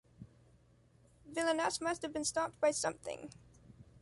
Villainess must have been stopped by something.